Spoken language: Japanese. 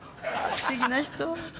不思議な人。